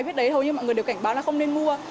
hầu như mọi người đều cảnh báo là không nên mua